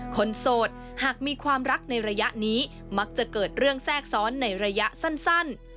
โสดหากมีความรักในระยะนี้มักจะเกิดเรื่องแทรกซ้อนในระยะสั้น